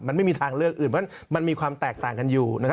มันไม่มีทางเลือกอื่นเพราะมันมีความแตกต่างกันอยู่